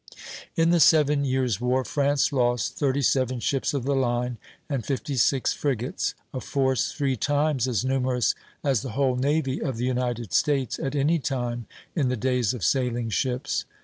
In the Seven Years' War France lost thirty seven ships of the line and fifty six frigates, a force three times as numerous as the whole navy of the United States at any time in the days of sailing ships.